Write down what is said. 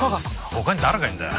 他に誰がいるんだよ。